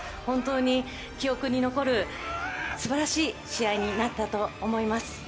本当に記憶に残る素晴らしい試合になったと思います